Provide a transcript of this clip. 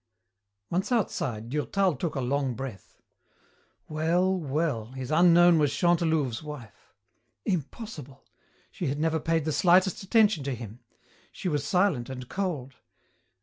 Once outside, Durtal took a long breath. Well, well, his unknown was Chantelouve's wife. Impossible! She had never paid the slightest attention to him. She was silent and cold.